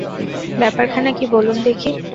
ব্যাপারখানা কী বলুন দেখি!